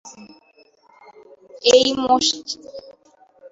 এই মসজিদ সেই পাঁচ মসজিদের মধ্যে একটি।